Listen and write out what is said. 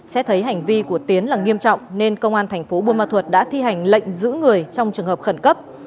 xét thấy hành vi của tiến là nghiêm trọng nên công an thành phố buôn ma thuật đã thi hành lệnh giữ người trong trường hợp khẩn cấp